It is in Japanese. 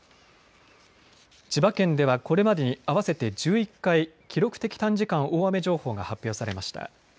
千葉県では、これまでに合わせて１１回記録的短時間大雨情報が発表されました。